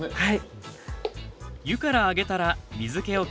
はい。